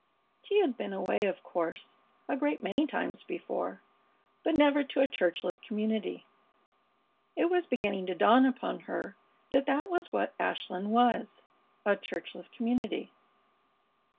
She had been away, of course, a great many times before, but never to a churchless community. It was beginning to dawn upon her that that was what Ashland was a churchless community.